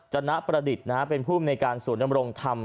จนะประดิษฐ์เป็นภูมิในการสูญรมโรงธรรม